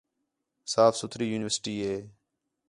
صُاف سُتھری یونیورسٹی ہِے